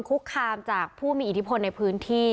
คุกคามจากผู้มีอิทธิพลในพื้นที่